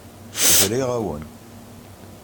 Briɣ-awen.